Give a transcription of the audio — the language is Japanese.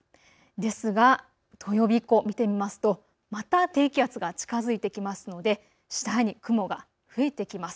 ですが土曜日以降見てみますと、また低気圧が近づいてきますので次第に雲が増えてきます。